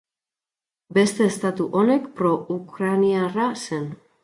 Beste estatu honek Pro-Ukraniarra zen.